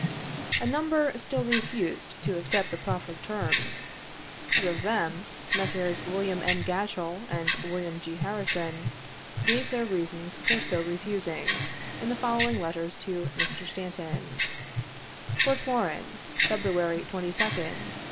A number still refused to accept the proffered terms. Two of them, Messrs. Wm. H. G atchell and Wm. G . Harrison, gave their reasons for so refusing, in the following letters to Mr. Stanton : "Fort Warren, February 22d, 1862.